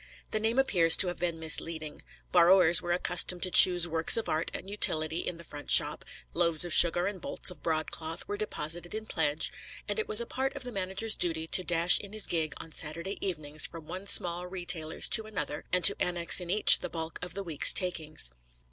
The name appears to have been misleading. Borrowers were accustomed to choose works of art and utility in the front shop; loaves of sugar and bolts of broadcloth were deposited in pledge; and it was a part of the manager's duty to dash in his gig on Saturday evenings from one small retailer's to another, and to annex in each the bulk of the week's takings.